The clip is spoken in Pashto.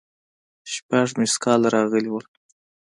شپږ ميسکاله راغلي وو.